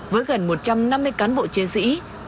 với gần một trăm năm mươi cán bộ chiến sĩ